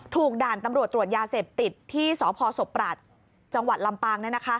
ด่านตำรวจตรวจยาเสพติดที่สพศพปรัชจังหวัดลำปาง